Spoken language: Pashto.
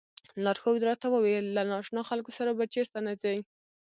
لارښود راته وویل له نا اشنا خلکو سره به چېرته نه ځئ.